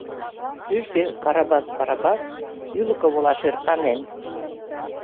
Кӱжгӧ Карабас Барабас ӱлыкӧ волаш ӧрканен.